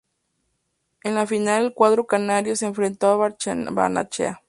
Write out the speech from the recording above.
En la final el cuadro canario se enfrentó a Barnechea.